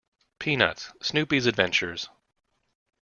Peanuts: Snoopy's Adventures.